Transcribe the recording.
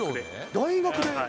大学で？